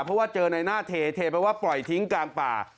เพราะว่าเจอในหน้าเทไปว่าปล่อยทิ้งกลางป่า